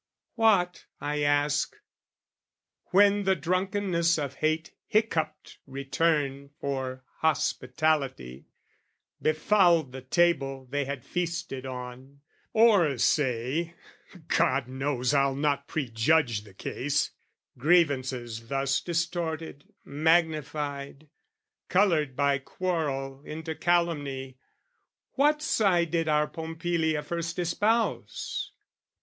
What, I ask, when the drunkenness of hate Hiccuped return for hospitality, Befouled the table they had feasted on, Or say, God knows I'll not prejudge the case, Grievances thus distorted, magnified, Coloured by quarrel into calumny, What side did our Pompilia first espouse?